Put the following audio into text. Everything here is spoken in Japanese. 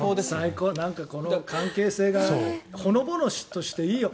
この関係性がほのぼのとしていいよ。